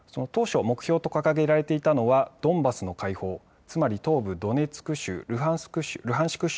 当初、目標と掲げられていたのはドンバスの解放、つまり、東部ドネツク州やルハンシク